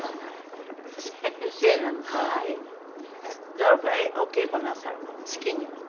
どのくらいお稽古なさるの？月に。